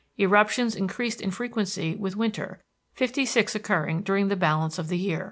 Eruptions increased in frequency with winter, fifty six occurring during the balance of the year.